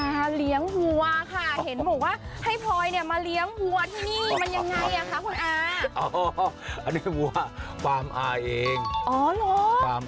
มาเลี้ยงวัวค่ะเห็นบอกว่าให้พลอยเนี่ยมาเลี้ยงวัวที่นี่มันยังไงค่ะคุณอา